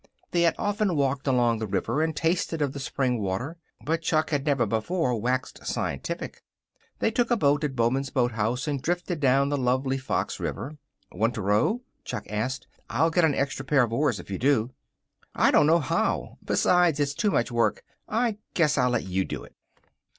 They had often walked along the river and tasted of the spring water, but Chuck had never before waxed scientific. They took a boat at Baumann's boathouse and drifted down the lovely Fox River. "Want to row?" Chuck asked. "I'll get an extra pair of oars if you do." "I don't know how. Besides, it's too much work. I guess I'll let you do it."